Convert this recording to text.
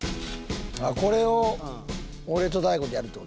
あっこれを俺と大悟でやるって事？